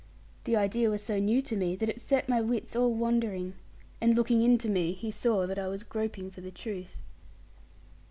The idea was so new to me that it set my wits all wandering; and looking into me, he saw that I was groping for the truth.